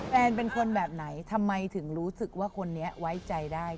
เป็นคนแบบไหนทำไมถึงรู้สึกว่าคนนี้ไว้ใจได้